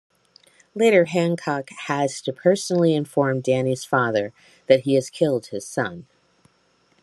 Later Hancock has to personally inform Danny's father that he has killed his son.